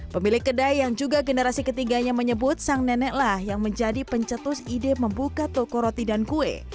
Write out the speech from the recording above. pemilik kedai yang juga generasi ketiganya menyebut sang neneklah yang menjadi pencetus ide membuka toko roti dan kue